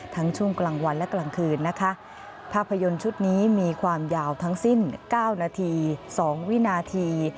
ช่วงกลางวันและกลางคืนนะคะภาพยนตร์ชุดนี้มีความยาวทั้งสิ้นเก้านาทีสองวินาที